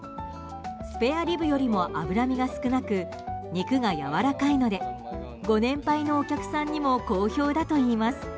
スペアリブよりも脂身が少なく肉がやわらかいのでご年配のお客さんにも好評だといいます。